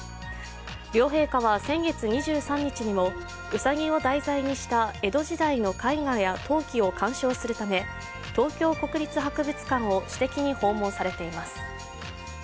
両陛下は先月２３日にもうさぎを題材にした江戸時代の絵画や陶器を鑑賞するため東京国立博物館を私的に訪問されています。